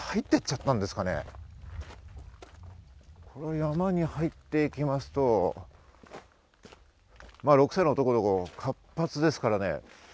山に入っていきますと６歳の男の子、活発ですから。